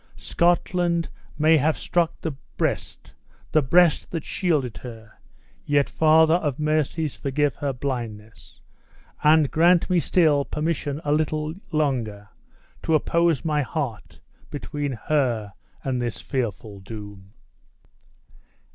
Scotland may have struck the breast the breast that shielded her, yet, Father of Mercies, forgive her blindness, and grant me still permission a little longer to oppose my heart between her and this fearful doom!"